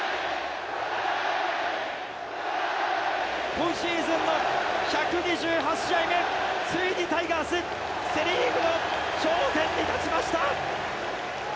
今シーズンの１２８試合目、ついにタイガース、セ・リーグの頂点に立ちました。